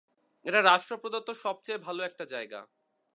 এটা রাষ্ট্র কর্তৃক প্রদত্ত সবচেয়ে ভালো একটা জায়গা!